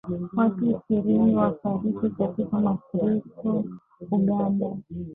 Watu ishirini wafariki katika mafuriko Uganda